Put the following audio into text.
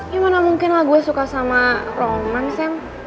ya mana mungkin lah gue suka sama roman sam